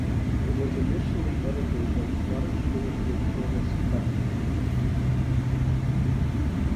It was initially edited by Scottish minister Thomas Guthrie.